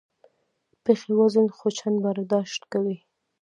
پښې وزن څو چنده برداشت کوي.